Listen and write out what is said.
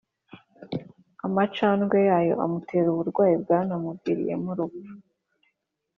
amacandwe yayo amutera uburwayi bwanamuviriyemo urupfu.